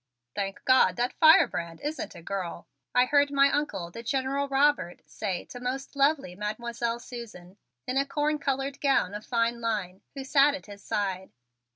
"Thank God that firebrand isn't a girl," I heard my Uncle, the General Robert, say to most lovely Mademoiselle Susan, in a corn colored gown of fine line, who sat at his side.